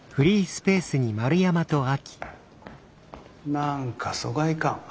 何か疎外感。